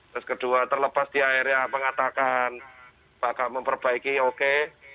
terus kedua terlepas dia akhirnya mengatakan bakal memperbaiki oke